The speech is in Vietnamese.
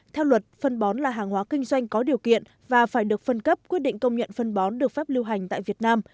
theo luật phân bón là hàng hóa kinh doanh có điều kiện và phải được phân cấp quyết định công nhận phân bón được phép lưu hành tại việt nam